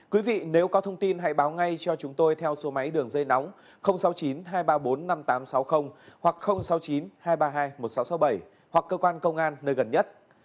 quý vị nếu có thông tin hãy báo ngay cho chúng tôi theo số máy đường dây nóng sáu mươi chín hai trăm ba mươi bốn năm nghìn tám trăm sáu mươi hoặc sáu mươi chín hai trăm ba mươi hai một nghìn sáu trăm sáu mươi bảy hoặc cơ quan công an nơi gần nhất